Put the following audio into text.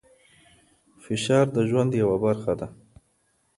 فشار د ژوند یوه برخه ده.